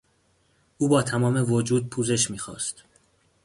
او با تمام وجود پوزش میخواست.